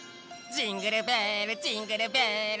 「ジングルベルジングルベル」